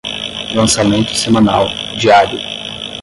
lançamento semanal, diário